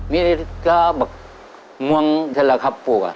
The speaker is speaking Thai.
มีอาทิตย์กาบักมวงเฉล่าครับปลูก